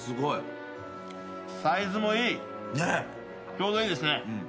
ちょうどいいですね。